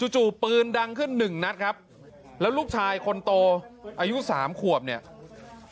จู่ปืนดังขึ้นหนึ่งนัดครับแล้วลูกชายคนโตอายุสามขวบเนี่ย